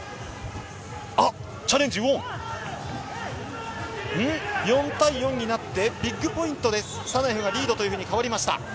チャレンジ、４対４になってビッグポイントでサナエフ、リードに変わりました。